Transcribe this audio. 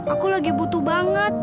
aku lagi butuh banget